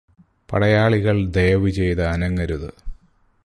പടയാളികള് ദയവു ചെയ്ത് അനങ്ങരുത്